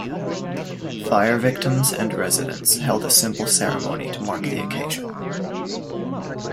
Fire victims and residents held a simple ceremony to mark the occasion.